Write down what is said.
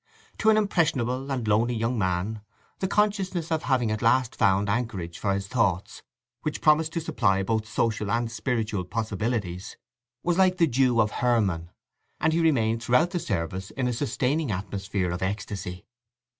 To an impressionable and lonely young man the consciousness of having at last found anchorage for his thoughts, which promised to supply both social and spiritual possibilities, was like the dew of Hermon, and he remained throughout the service in a sustaining atmosphere of ecstasy.